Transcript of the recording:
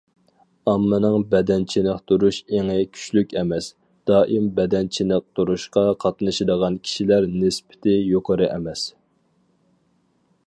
ئاممىنىڭ بەدەن چېنىقتۇرۇش ئېڭى كۈچلۈك ئەمەس، دائىم بەدەن چېنىقتۇرۇشقا قاتنىشىدىغان كىشىلەر نىسبىتى يۇقىرى ئەمەس.